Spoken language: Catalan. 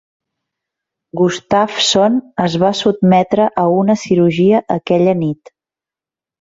Gustafsson es va sotmetre a una cirurgia aquella mateixa nit.